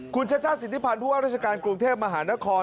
คุณชจ๊ะสินทิพันศ์ผู้ว่าราชการกรุงเทพมหานคร